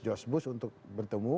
george bush untuk bertemu